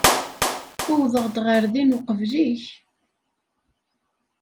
Uwḍeɣ ɣer din uqbel-ik.